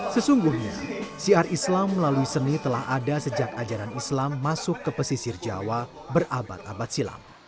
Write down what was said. sesungguhnya syiar islam melalui seni telah ada sejak ajaran islam masuk ke pesisir jawa berabad abad silam